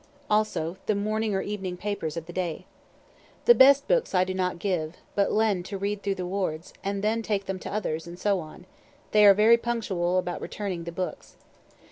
Also the morning or evening papers of the day. The best books I do not give, but lend to read through the wards, and then take them to others, and so on; they are very punctual about returning the books.